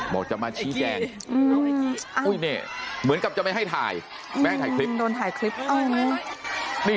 บอกจะมาชี้แจงเหมือนกับจะไม่ให้ถ่ายแม่งถ่ายคลิป